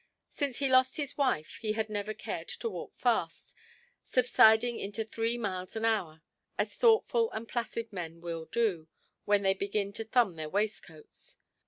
Since he lost his wife he had never cared to walk fast, subsiding into three miles an hour, as thoughtful and placid men will do, when they begin to thumb their waistcoats.